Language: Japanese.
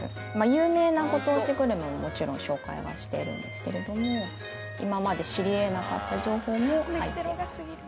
有名なご当地グルメももちろん紹介はしてるんですけれども今まで知り得なかった情報も入ってます